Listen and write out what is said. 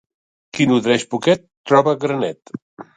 Qui nodreix poquet, troba granet.